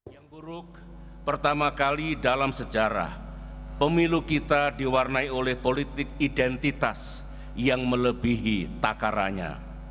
yang buruk pertama kali dalam sejarah pemilu kita diwarnai oleh politik identitas yang melebihi takaranya